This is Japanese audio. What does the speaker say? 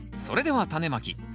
それではタネまき。